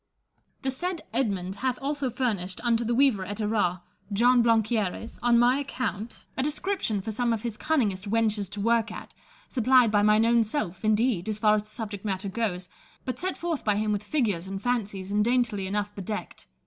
The said Edmund hath also furnished unto the weaver at Arras, John Blanquieres, on my account, a 8 IMA GINAR Y CONVERSA TTONS, description for some of his cunningest wenches to work at, supplied by mine own self, indeed, as far as the subject matter goes, but set forth by him with figures and fancies, and daintily enough bedecked.